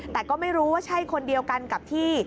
แต่ก็ไม่รู้ว่าใช่คนเดียวกันกับที่